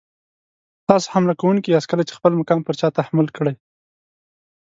تاسو حمله کوونکي یاست کله چې خپل مقام پر چا تحمیل کړئ.